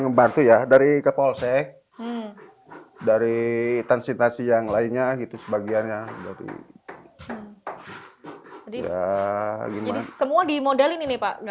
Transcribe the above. ngebantu ya dari kepolsek dari transinasi yang lainnya gitu sebagiannya semua di model ini